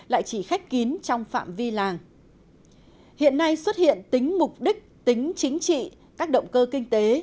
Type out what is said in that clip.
lại chỉ khách kín trong phạm vi làng hiện nay xuất hiện tính mục đích tính chính trị các động cơ kinh tế